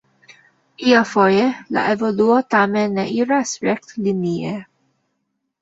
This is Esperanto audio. Iafoje la evoluo tamen ne iras rektlinie.